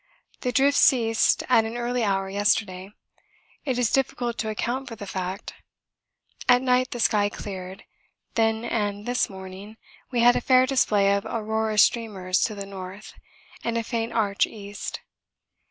The drift ceased at an early hour yesterday; it is difficult to account for the fact. At night the sky cleared; then and this morning we had a fair display of aurora streamers to the N. and a faint arch east.